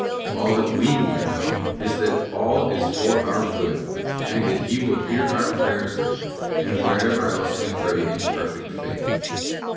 All that we need know is that all is for our good, and that He will hear our prayers there, and wherever else we pray in perfect faith.